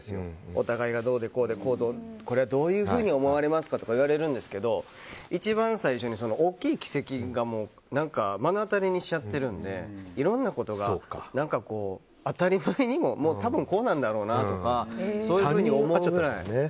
お互いがどうでこうでこれをどういうふうに思いますかって言われるんですが一番最初に大きい奇跡を目の当たりにしちゃっているんでいろんなことが当たり前にも多分こうなんだろうなとかそういうふうに思うぐらい。